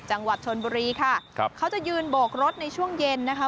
จังหวัดชนบุรีค่ะครับเขาจะยืนโบกรถในช่วงเย็นนะคะ